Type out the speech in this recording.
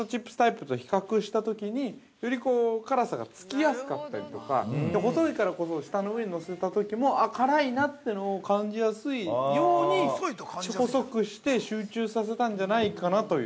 普通のポテトチップスタイプと比較したときに、より辛さがつきやすかったりとか、細いからこそ、舌の上に乗せたときも、あ、辛いなというのを感じやすいように細くして集中させたんじゃないかなという。